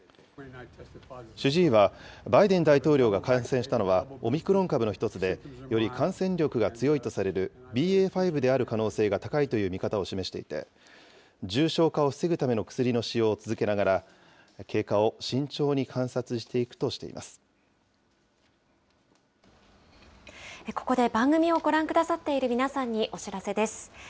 主治医はバイデン大統領が感染したのはオミクロン株の一つで、より感染力が強いとされるＢＡ．５である可能性があるとの見方を示していて、重症化を防ぐための薬の使用を続けながら、経過を慎重ここで番組をご覧くださっている皆さんにお知らせです。